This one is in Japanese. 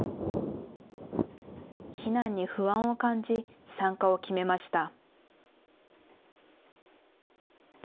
避難に不安を感じ参加を決めました。